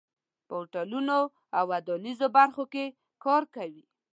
په هوټلونو او ودانیزو برخو کې کار کوي.